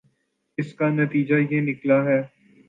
اس کا نتیجہ یہ نکلا ہے